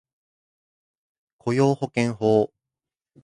雇用保険法